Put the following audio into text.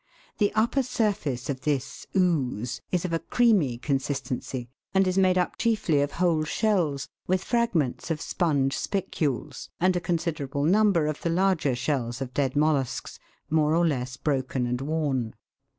The upper surface of this "ooze" is of a creamy consistency and is made up chiefly of whole shells, with fragments of sponge spicules, and a con siderable number of the larger shells of dead mollusks, more or less broken and worn.